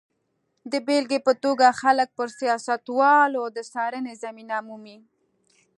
د بېلګې په توګه خلک پر سیاستوالو د څارنې زمینه مومي.